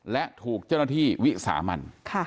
และถูกเจ้าหน้าที่วิสามัน